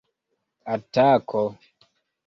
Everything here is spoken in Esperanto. atako